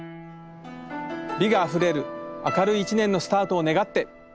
美があふれる明るい一年のスタートを願って！